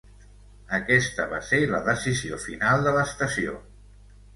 Aquesta va ser la decisió final de l'estació.